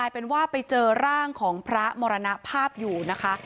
เป็นว่าไปเจอร่างของพระมรณภาพอยู่นะคะ